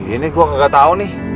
ini gue gak tau nih